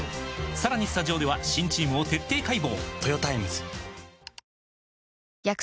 さらにスタジオでは新チームを徹底解剖！